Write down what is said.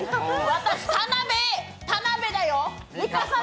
私、田辺だよ！